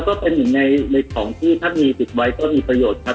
ก็เป็นหนึ่งในของที่ท่านมีติดไว้ก็มีประโยชน์ครับ